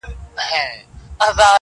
و حاکم ته سو ور وړاندي په عرضونو!!